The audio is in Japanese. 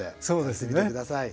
やってみて下さい。